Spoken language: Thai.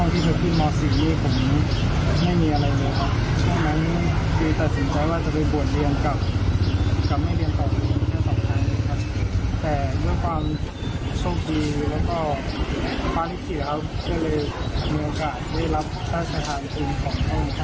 ที่ที่มาสีวิทย์ผมไม่มีอะไรใช่ครับฉันตัดสินใจว่าอาจจะไปบวชเรียนกลับกันไม่เรียนต่อประทานนะครับ